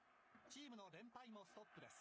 チームの連敗もストップです。